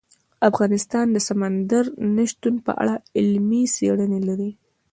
افغانستان د سمندر نه شتون په اړه علمي څېړنې لري.